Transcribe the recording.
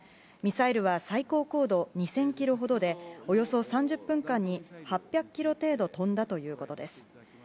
ミサイルは最高高度２０００ｋｍほどでおよそ３０分間に８００ｋｍ程度飛んだということです。